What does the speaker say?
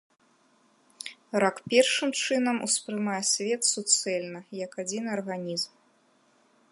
Рак, першым чынам, успрымае свет суцэльна, як адзіны арганізм.